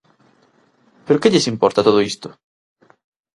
¡Pero que lles importa todo isto!